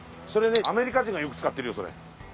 れねアメリカ人がよく使ってるよそれ。